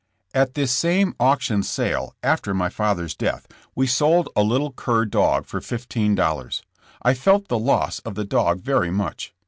At this same auction sale, after my father's death, we sold a little cur dog for $15. I felt the loss of the dog very much.